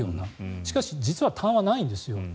しかし、実はたんはないんですよ。